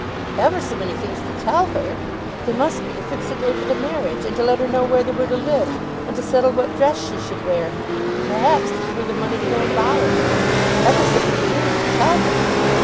Ever so many things to tell her! They must be to fix a day for the marriage, and to let her know where they were to live, and to settle what dress she should wear, and perhaps to give her the money to go and buy it! Ever so many things to tell her!